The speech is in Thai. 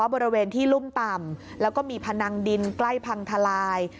บริเวณที่รุ่มต่ำแล้วก็มีพนังดินใกล้พังทลาย